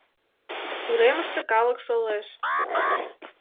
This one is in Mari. Уремыште калык шолеш.